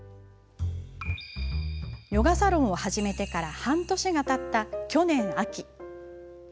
ヨガサロンを始めてから半年たった去年、秋。